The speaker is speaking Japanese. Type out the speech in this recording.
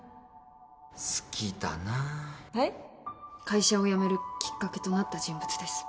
会社を辞めるきっかけとなった人物です。